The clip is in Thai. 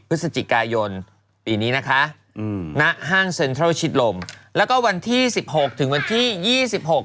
พฤศจิกายนปีนี้นะคะอืมณห้างเซ็นทรัลชิดลมแล้วก็วันที่สิบหกถึงวันที่ยี่สิบหก